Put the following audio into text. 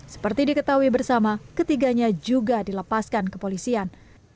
seperti diketahui bersama ketiganya juga dilepaskan ke polisian